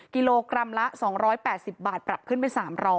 กิโลกรัมละ๒๘๐บาทปรับขึ้นเป็น๓๐๐